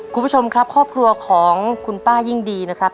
คุณผู้ชมครับครอบครัวของคุณป้ายิ่งดีนะครับ